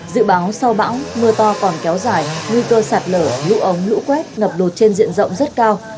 dự báo sau bão mưa to còn kéo dài nguy cơ sạt lở lũ ống lũ quét ngập lụt trên diện rộng rất cao